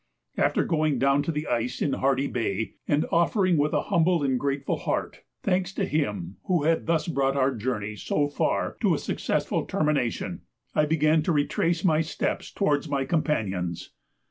After going down to the ice in Hardy Bay, and offering with a humble and grateful heart thanks to Him who had thus brought our journey so far to a successful termination, I began to retrace my steps towards my companions.